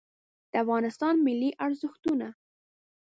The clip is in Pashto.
د افغانستان ملي ارزښتونه